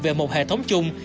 về một hệ thống chung